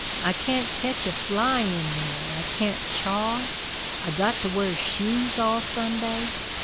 I can't ketch a fly in there, I can't chaw, I got to wear shoes all Sunday.